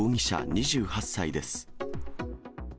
２８歳です。